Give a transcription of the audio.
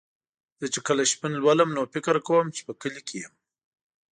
زه چې کله شپون لولم نو فکر کوم چې په کلي کې یم.